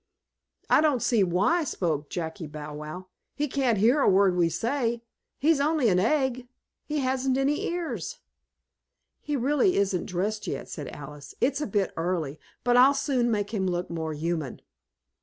"I don't see why," spoke Jackie Bow Wow. "He can't hear a word we say. He's only an egg he hasn't any ears." "He really isn't dressed yet," said Alice. "It's a bit early. But I'll soon make him look more human."